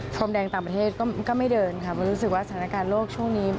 พรมแดงต่างประเทศก็ไม่เดินค่ะมันรู้สึกว่าสถานการณ์โลกช่วงนี้